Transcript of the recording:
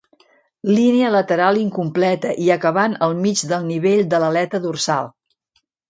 Línia lateral incompleta i acabant al mig del nivell de l'aleta dorsal.